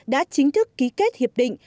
đã chính thức ký kết hiệp định